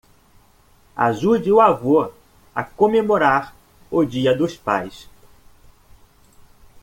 Ajude o avô a comemorar o dia dos pais